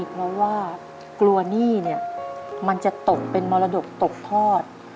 เพราะว่ากลัวหนี้เนี่ยมันจะตกเป็นมรดกตกทอด